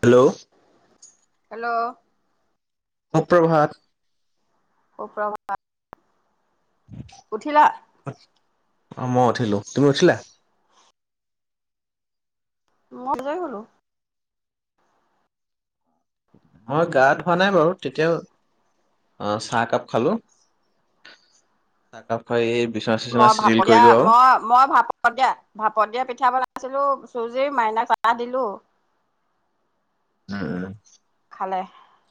Hello hello! সুপ্ৰভাত সুপ্ৰভাত। উঠিলা অ' মই উঠিলো। তুমি উঠিলা? মত গৈ হ'লো। মই গা ধোৱা নাই বাৰু তেতিয়াও অ' চাহ একাপ খালো। চাহ একাপ খাই এই- বিচনা চিচনা মই ভাপ চিজিল দিয়া, কৰিলো আৰু মই, মই ভাপত দিয়া, ভাপত দিয়া পিঠা বনা- আছিলো, চুজি মাইনাক চা হ দিলো। উম-উম, খালে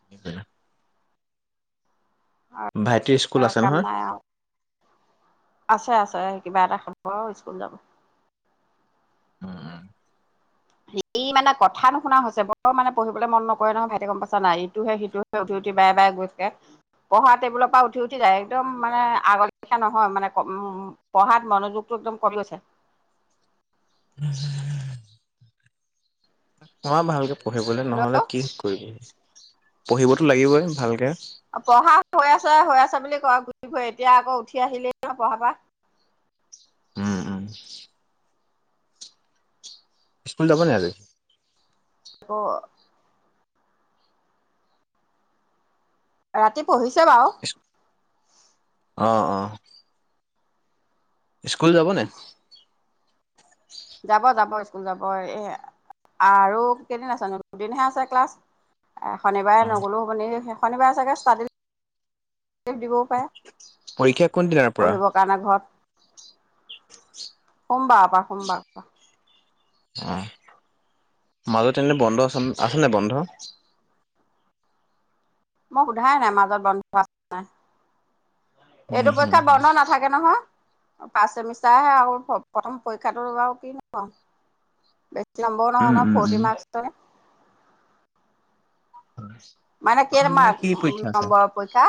[unintelligible] ভাইটিৰ স্কুল আছে কাম নাই নহয়? আৰু আছে আছে। কিবা এটা খাব আৰু স্কুল যাব। উম, ওম। ই মানে কথা নুশুনা হৈছে, পঢ়িবলৈ মন নকৰে নহয় ভাইটি গম পাইছা নাই, ইতোহে, সিটোহে উঠি বাই বাই নমস্কাৰ! পঢ়া টেবুলৰ পৰা উঠি উঠি যায়, একদম মানে আগলেখীয়া নহয়, মানে উম পঢ়াত মনোযোগটো একদম কমি গৈছে। মই ভালকে পঢ়িবলৈ নহ'লে কি হেল্ল' কৰিব। পঢ়িবতো লাগিবই ভালকৈ। অ' পঢ়া হৈ আছে হৈ আছে বুলি কয় ঘূৰি ফুৰে এতিয়া আকৌ উঠি আহিলেই নহয় পঢ়াৰ পৰা। উম, উম। স্কুল যাব নাই আজি? আকৌ ৰাতি পঢ়িছে বাৰু আহ, অ। স্কুল যাব নাই? যাব-যাব। স্কুল যাব এ আৰু কেইদিন আছে নো দুদিনহে আছে ক্লাছ। শনিবাৰে অ নগ'লোও হ'বনে, শনিবাৰে চাগে ষ্টাডি- দিবও পাৰে। পৰীক্ষা কোন দিনাৰ পৰা পঢ়িবৰ কাৰণে ঘৰত। সোমবাৰৰ পৰা, সোমবাৰৰ পৰা। আহ, মাজত এনে বন্ধ, চন আছে নাই বন্ধ? মই সুধাই নাই মাজত বন্ধ আছে নে নাই? এইটো উম উম পৰীক্ষাত উম বন্ধ নাথাকে নহয়। পা চেমিষ্টাৰহে আৰু, প্ৰথম পৰীক্ষাটো বাৰু কিনো কম, বে নম্বৰৰ উম নহয়নো উম ফ'ৰ্টি উম মাৰ্ক্সটৰে মানে প্ৰথম কেৰ দিনা মাৰ, কি পৰীক্ষা আছে নম্বৰ পৰীক্ষা?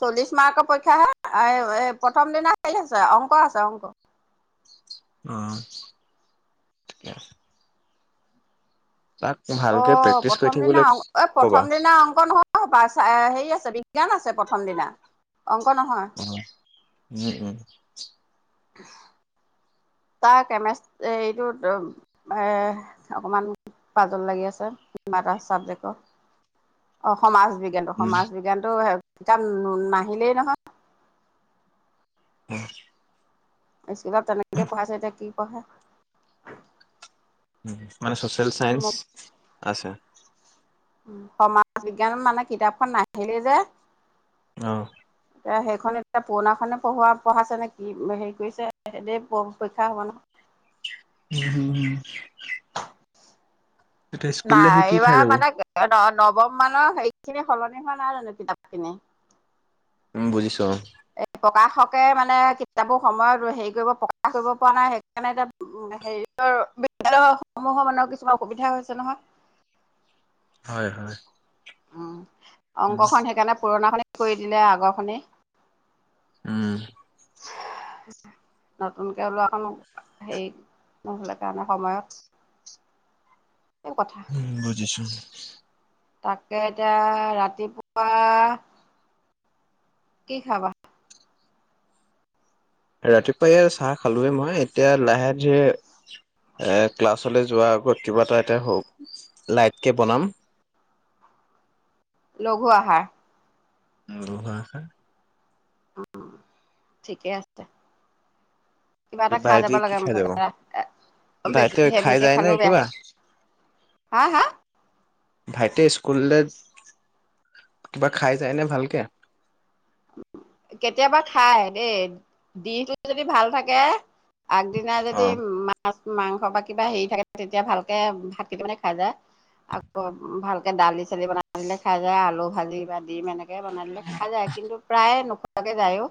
চল্লিশ মাৰ্কৰ পৰীক্ষা হে, আ এ প্ৰথম দিনা হেৰি আছে অংক আছে, অংক। অহ, ঠিকে আছে। অহ' প্ৰেক্টিচ কৰি প্ৰথম দিনা থাকিবলৈ অং, এ কবা। প্ৰথম দিনা অংক নহয় সপাই ছে হেৰি আছে, বিজ্ঞান আছে। প্ৰথম দিনা। অংক নহয়। উম, উম। [unintelligible] [inaudible] তাৰ কেমেচ এইটোত এ অকমান পাজল লাগি আছে এটা চাবজেক্ট অ সমাজ বিজ্ঞানটো উম। সমাজ বিজ্ঞানতটো কিতাপ নাহিলেই নহয় অ ইক ব তনেংগে পচতে কি পে মানে চচিয়েল চাইেন্স আছে উ সমাজ বিজ্ঞানত মানে কিতাপখন নাহিলে যে আহ এতিয়া সেইখন এতিয়া পুৰণা খনে পঢ়োৱা পঢ়াছে নে কি হেৰি কৰিছে সদ পৰীক্ষা হব ন উম হম হ স্কুললে নাই সি কি খাই এইবাৰ যাব? মানে অ নৱম মানৰ সেইখিনি সলনি হোৱা নাই জানো কিতাপখিনি উম বুজিছ প্ৰকাশকে মানে কিতাপৰ সময়ত হেৰি কৰিব প্ৰকাশ কৰিব পৰা নাই সেইকাৰণে এতিয়া হেৰি বিদ্্যালয় সমূহৰ মানে কিছুমান অসুবিধা হৈছে নহয় হয় হয় উম উম অংকখন সেইকাৰণে পুৰণা খনে কৰি দিলে আগৰখনে উম নতুনকে ওলোৱা কো হেৰি নহ'লে কাৰণে সময়ত সেই কথা উম বুজিছো তাকে এতিয়া ৰাতিপুৱা কি খাবা ৰাতিপুৱা ই চাহ খালোে মই এতিয়া লাহে যেে এ ক্লাছলৈ যোৱাৰ আগত কিবা এটা এতিয়া হওক লাইটকে বনাম [unintelligible] লঘু আহাৰ [unintelligible] অ ঠিকেই আছে কিবা এটা খাই যাব ভাইটি কি লগা খাই মুঠ যাব? দাদা বেছি ভাইটিয়ে খাই হেভিকে যায় নে খালেও বেয়া কিবা? হা হা ভাইটিয়ে স্কুললে কিবা খাই চায়নে ভালকে কেতিয়াবা খাই দেই দিহটো যদি ভাল থাকে আগদিনা অ যদি মাছ মাংস বা কিবা হেৰি থাকে তেতিয়া ভালকে ভাত কেইটামানে খাই যায় আকৌ ভালকে দালি চালি বনাই দিলে খাই যায় আলু ভাজি দিম এনেকে বনাই দিলে খা যায় কিন্তু প্ৰায় নোখোৱাকে যায়ও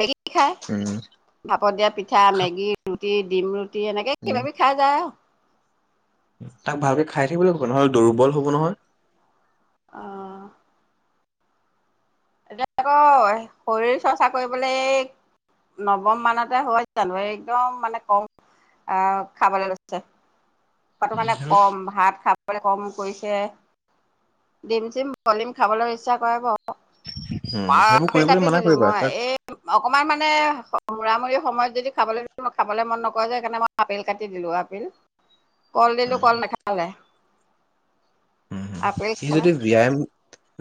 মেগী কি খাই উম ভাপত দিয়া পিঠা মেগী ৰুটি ডিম ৰুটি এনেকে উম। কিবাবি খাই যায় আৰু তাক ভালকে খাই থাকিবলৈ হ'ব নহলে দুৰ্বল হ'ব নহয় আহ এতিয়া আকৌ শৰীৰ চৰ্চা কৰিবলৈ নৱম মানতে হৈ জানাৰী একদম মানে কম আহ খাবলৈ গৈছে খোৱাটো মানে কম ভাত খাবলৈ কম কৰিছে দিম চিম বলিম খাবলৈ ইচ্ছা কৰে উম, সেইবোৰ বাপে কৰিবলৈ কাটি মানা দিলো কৰিবা মই তাক এই অকমান মানে মূৰামূৰি সময়ত যদি খাবলৈ দিওঁ খাবলৈ মন নকৰে যে সেইকাৰণে মই আপেল কাটি দিলোঁ আপিল কল দিলো কল নাখাালাই সি যদি ব্যায়াম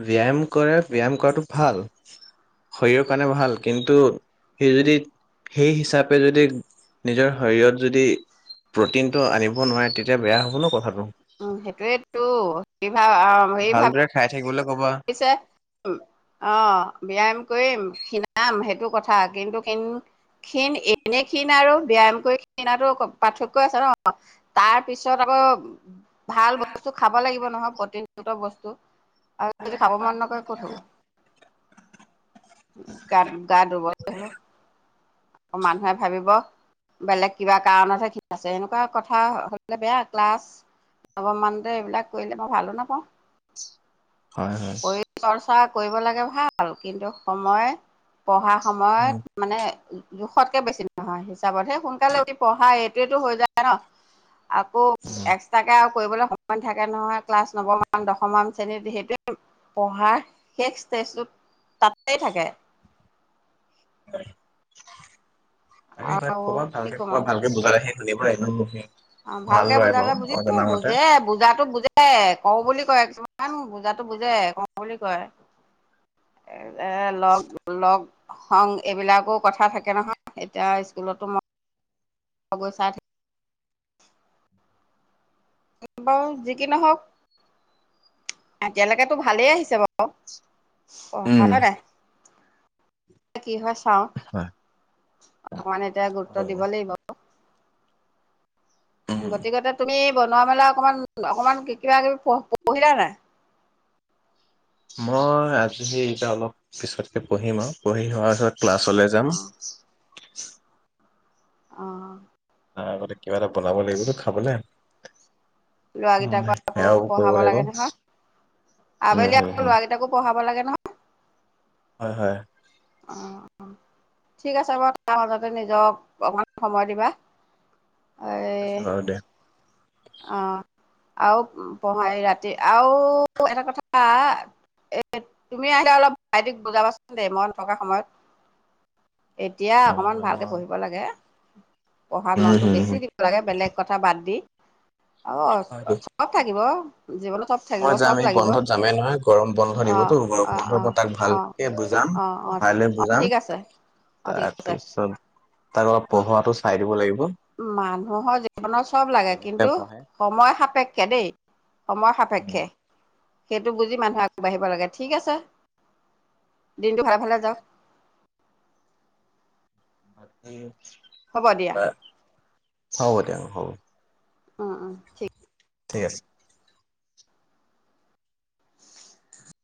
ব্যায়াম কৰে ব্যায়াম কৰাটো ভাল শৰীৰৰ কাৰণে ভাল কিন্তু সেই যদি সেই হিচাপে যদি নিজৰ শৰীৰত যদি প্ৰটিনটো আনিব নোৱাৰে তেতিয়া বেয়া হ'ব ন কথাটো। উম সেইটোৱেতো সেই ভাৱ হে ভাৱ ভালদৰে খাই থাকিবলৈ ক'বা পিছে অ ব্যায়াম কৰিম শিনা নাম সেইটো কথা কিন্তু কিন্ত ক্ষীণ এনে ক্ষীণ আৰু ব্যায়াম কৰি ক্ষীণাটো পাৰ্থক্য আছে ন তাৰ পিছত আ কৌ ভাল বস্তু খাব লাগিব নহয় প্ৰতিন জাতীয় বস্তু। আৰু যদি খাব মন নক ক'ত হব? গাত গা দুৰ্বল হব আকৌ মানুহে ভাবিব বেলেগ কিবা কাৰণতহে ঠিক আছে এনেকুৱা কথা হলে বেয়া ক্লাছ অলমানতে এইবিলাক কৰিলে মই ভালো নাপাওঁ। হয়, হয়। পৰি চৰ্চা কৰিব লাগে ভাল কিন্তু সময় পঢ়াৰ উম, সময়ত মানে জোখতকে বেছি নহয় হিচাপত সেই সোনকালে পঢ়া এইটোৱটো হৈ যায় ন। আকৌ এক্সট্ৰাকে আৰু কৰিবলৈ সময় থাকে নহয় ক্লাছ নৱমান দশমমান শ্ৰেণীত সেইটোৱে পঢ়াৰ শেষ ষ্টেজটোত তাতেই থাকে। আমি ভ আৰু খৰবাত কি ভালকে খৰবাত ভালকে বুজাই আহিম [unintelligible] অ ভালকে বুজালে বুজিব বুজে বুজাতো বুজে এ কওঁ বুলি কয় কিছুমান বুজাটো বুজে কওঁ বুলি কয়। লগ লগ সং এইবিলাকো কথা থাকে নহয় এতিয়া স্কুলতো মই সগৈ চা বাৰু যি কি নহওঁক এতিয়ালৈকেটো ভালেই আহিছে বাৰু উম, পঢ়া নাই। কি হয় চাওঁ হয়। অকমান এতিয়া গুৰুত্ব অ', দিব লাগিব। উম। গতিকেটো তুমি বনোৱা মেলা অকমান অকমান কিবা কিবি পঢ়িলা নাই? মই আজি এইবাৰ অলপ পিছতকে পঢ়িম আৰু পঢ়ি হোৱাৰ পাছত ক্লাছলৈ যাম। অ'। নাই আগতে কিবা এটা বনাব লাগিবটো খাবলে। ল'ৰাকেইটাকো অ', আকৌ সেয়া কৰিব পঢ়াব লাগিব লাগে নহয় উম, আবেলি হম, আকৌ হম। ল'ৰাকেইটাকো পঢ়াব লাগে নহয় হয় হয় অ', অ'। ঠিক আছে বাৰু, তাৰ মাজতে নিজক অকমান সময় দিবা। এই আছে বাৰু দে। অ আৰু পহাই ৰাতি আৰু এটা কথা এ তুমি আহিলে অলপ ভাইটিক বুজাবাচোন দেই মই থকা সময়ত। এতিয়া হয় অকমান হয় ভালকে মই পঢ়িব লাগে। পঢ়াত উম মনটো হম হম বেছি দিব লাগে বেলেগ কথা বাদ দি। হয়তো অ', চব থাকিব। জীৱনত চব থাকিব মই যাম চব এই লাগিব বন্ধত যামে নহয় গৰম বন্ধ অ দিবতো গৰম অ অ বন্ধৰ পৰা তাক অ ভালকে বুজাম। অ অ ভালদৰে অ বুজাম ঠিক আছে অ ঠিক তাৰপিছত তাক অলপ আছে পঢ়োৱাটো চাই দিব লাগি মানুহৰ জীৱনত চব লাগে কেনেকে কিন্তু পঢ়ে সময় সাপেক্ষে দেই। সময় সাপেক্ষে, সেইটো বুজি মানুহে আগবাঢ়িব লাগে, ঠিক আছে। দিনটো ভাল ভালে যাওক বাকে হ'ব দিয়া হ'ব দিয়ক হ'ব। অ অ ঠিক আছে। [inaudible]